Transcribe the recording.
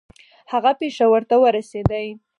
هغه پېښور ته ورسېدی.